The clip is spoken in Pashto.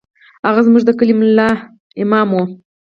هغه زموږ د کلي ملا امام و.